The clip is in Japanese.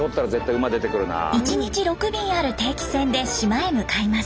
１日６便ある定期船で島へ向かいます。